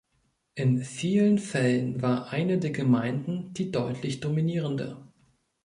In vielen Fällen war eine der Gemeinden die deutlich dominierende.